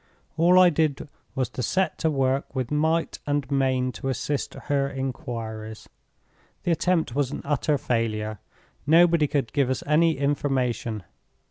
All I did was to set to work with might and main to assist her inquiries. The attempt was an utter failure; nobody could give us any information.